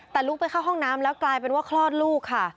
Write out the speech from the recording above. แต่ลุกไปเข้าห้องน้ำแล้วกลายเป็นว่าคลอดลูกค่ะ